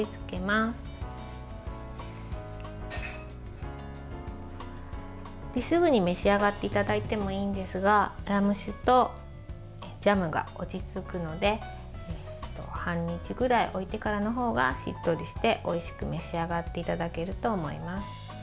すぐに召し上がっていただいてもいいんですがラム酒とジャムが落ち着くので半日ぐらい置いてからの方がしっとりして、おいしく召し上がっていただけると思います。